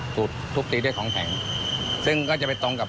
จุดแรกที่เจ็บหนัก